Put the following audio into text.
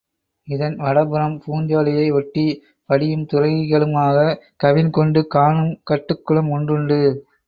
இதன் வடபுறம் பூஞ்சோலையை ஒட்டிப் படியும் துறைகளுமாகக் கவின்கொண்டு காணும் கட்டுக் குளம் ஒன்றுண்டு.